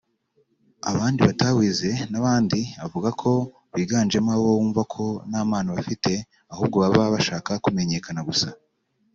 abandi batawize n’abandi avuga ko biganjemo abo wumva ko nta mpano bafite ahubwo baba bashaka kumenyekana gusa